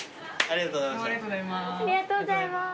ありがとうございます。